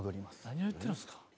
何を言ってるんですか？